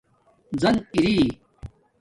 زَن ارئ